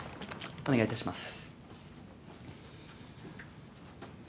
お願いいたします。